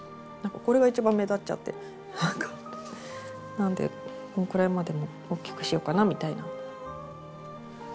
なんでこんぐらいまでおっきくしようかなみたいな感じで。